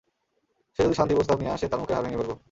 সে যদি শান্তি প্রস্তাব নিয়ে আসে তার মুখের হাড় ভেঙে ফেলবো।